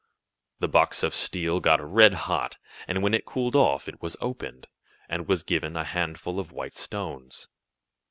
The box of steel got red hot, and when it cooled off it was opened, and was given a handful of white stones.